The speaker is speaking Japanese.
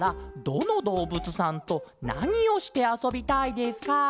どのどうぶつさんとなにをしてあそびたいですか？